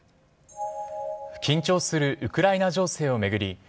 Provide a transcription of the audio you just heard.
緊張するウクライナ情勢を巡り